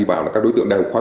bắt đồng loạt